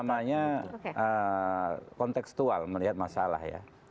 justru kita perlu kontekstual melihat masalah ya